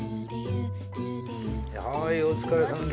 はいお疲れさんでした。